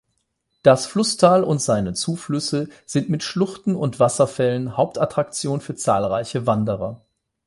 Das Flusstal und seine Zuflüsse sind mit Schluchten und Wasserfällen Hauptattraktion für zahlreiche Wanderer.